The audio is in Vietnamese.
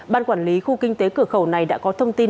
ban quản lý khu kinh tế cửa khẩu này đã có thông tin